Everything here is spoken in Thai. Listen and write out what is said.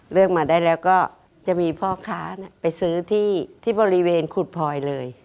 เลือกมาได้แล้วก็จะมีพ่อค้าไปซื้อที่บริเวณขุดพลอยเลย